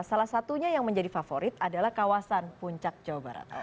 salah satunya yang menjadi favorit adalah kawasan puncak jawa barat